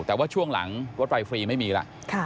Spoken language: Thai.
แต่ว่าช่วงหลังรถไฟฟรีไม่มีแล้ว